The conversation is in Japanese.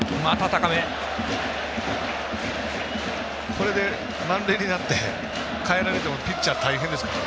これで満塁になって代えられてもピッチャー大変ですから。